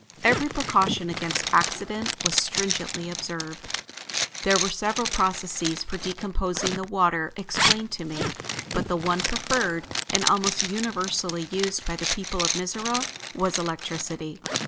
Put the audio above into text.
Every precaution against accident was stringently observed. There were several processes for decomposing the water explained to me, but the one preferred, and almost universally used by the people of Mizora, was electricity.